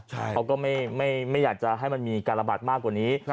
เขาก็ไม่อยากจะให้มันมีการระบาดมากกว่านี้